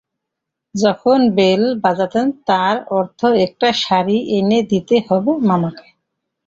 যখন বেল বাজাতেন তার অর্থ একটা শাড়ি এনে দিতে হবে মামাকে।